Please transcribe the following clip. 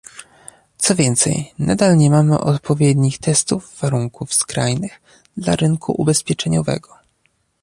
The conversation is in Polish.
Co więcej, nadal nie mamy odpowiednich testów warunków skrajnych dla rynku ubezpieczeniowego